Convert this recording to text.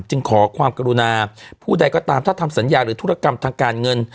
จึงขอความกรุณาผู้ใดก็ตามถ้าทำสัญญาหรือธุรกรรมทางการเงิน